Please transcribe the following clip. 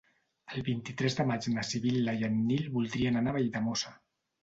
El vint-i-tres de maig na Sibil·la i en Nil voldrien anar a Valldemossa.